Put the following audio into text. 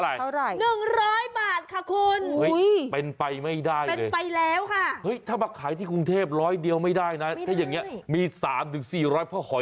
อันยำอะไรภาษาบาทค่ะคุณโอ้โฮ